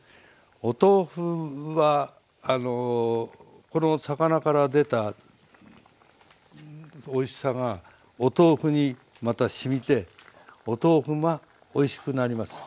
お豆腐はあのこの魚から出たおいしさがお豆腐にまたしみてお豆腐がおいしくなります。